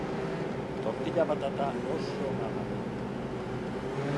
tortilla patata oso ona da